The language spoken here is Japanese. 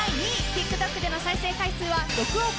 ＴｉｋＴｏｋでの再生回数は］